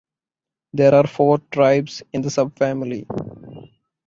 There are four tribes in the subfamily.